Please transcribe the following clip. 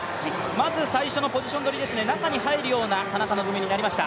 まず最初のポジション取りですね、中に入るような田中希実になりました。